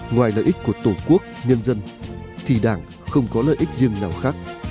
ngoài lợi ích của tổ quốc nhân dân thì đảng không có lợi ích riêng nào khác